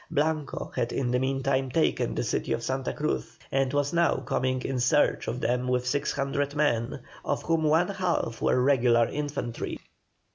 Blanco had in the meantime taken the city of Santa Cruz, and was now coming in search of them with six hundred men, of whom one half were regular infantry.